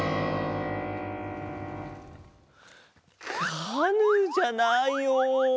カヌーじゃないよ。